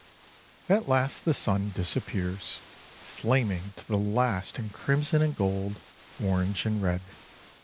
At last the sun disappears, flaming to the last in crimson and gold, orange and red.